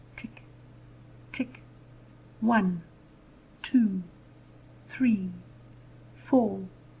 Tick tick one, two, three, four!